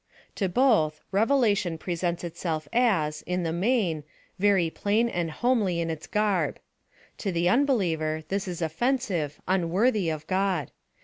To both, revelation presents itself as, in the main, very plain and homely in its garb. To the unbeliever, this is offensive, unworthy of God.